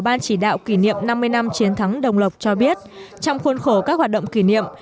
ban chỉ đạo kỷ niệm năm mươi năm chiến thắng đồng lộc cho biết trong khuôn khổ các hoạt động kỷ niệm